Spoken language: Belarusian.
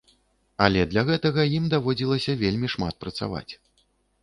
Але для гэтага ім даводзілася вельмі шмат працаваць.